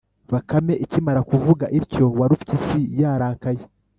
Bakame ikimara kuvuga ityo, Warupyisi yarakaye